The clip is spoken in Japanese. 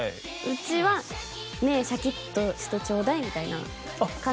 うちは「ねえシャキッとしてちょうだい」みたいな感じの。